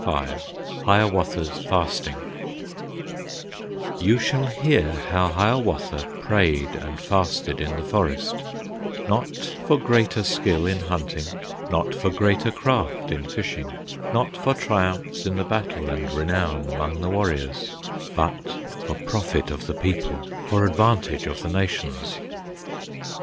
V Hiawatha's Fasting You shall hear how Hiawatha Prayed and fasted in the forest, Not for greater skill in hunting, Not for greater craft in fishing, Not for triumphs in the battle, And renown among the warriors, But for profit of the people, For advantage of the nations.